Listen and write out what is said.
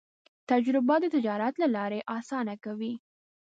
تجربه د تجارت لارې اسانه کوي.